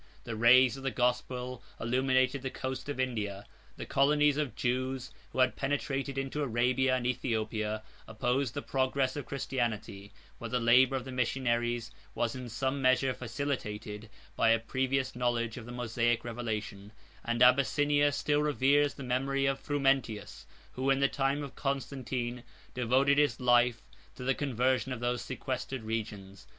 77 The rays of the gospel illuminated the coast of India. The colonies of Jews, who had penetrated into Arabia and Ethiopia, 78 opposed the progress of Christianity; but the labor of the missionaries was in some measure facilitated by a previous knowledge of the Mosaic revelation; and Abyssinia still reveres the memory of Frumentius, 78a who, in the time of Constantine, devoted his life to the conversion of those sequestered regions.